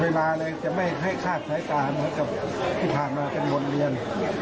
เวลาเลยจะไม่ให้คาดสายตาเหมือนกับที่ผ่านมาเป็นวนเวียน